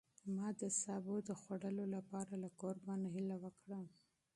ما د سابو د خوړلو لپاره له کوربه نه هیله وکړه.